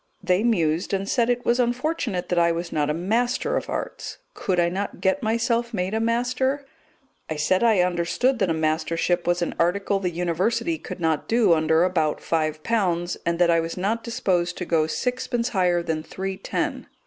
They mused and said it was unfortunate that I was not a Master of Arts. Could I not get myself made a Master? I said I understood that a Mastership was an article the University could not do under about five pounds, and that I was not disposed to go sixpence higher than three ten.